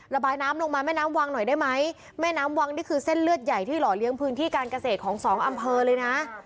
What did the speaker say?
ระบายน้ำลงมาแม่น้ำวังหน่อยได้ไหมแม่น้ำวังนี่คือเส้นเลือดใหญ่ที่หล่อเลี้ยงพื้นที่การเกษตรของสองอำเภอเลยนะ